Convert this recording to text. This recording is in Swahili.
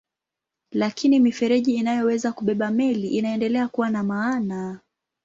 Lakini mifereji inayoweza kubeba meli inaendelea kuwa na maana.